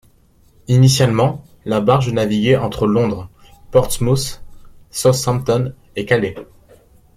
Initialement, la barge naviguait entre Londres, Portsmouth, Southampton et Calais.